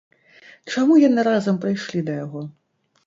Чаму яны разам прыйшлі да яго?